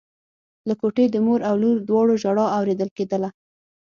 له کوټې د مور او لور دواړو ژړا اورېدل کېدله.